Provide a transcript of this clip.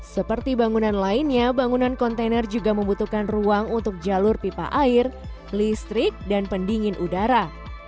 seperti bangunan lainnya bangunan kontainer juga membutuhkan ruang untuk jalur pipa air listrik dan pendingin udara